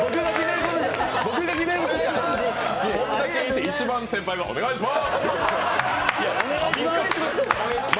こんだけいて、一番の先輩が「お願いします！」